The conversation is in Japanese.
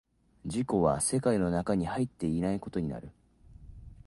自己は世界の中に入っていないことになる。